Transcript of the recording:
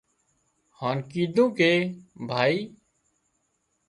هانَ ڪيڌون ڪي ڀائي